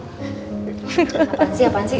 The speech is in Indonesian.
apaan sih apaan sih